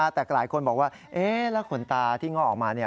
แต่หลายคนบอกว่าแล้วขนตาที่ง่อออกมา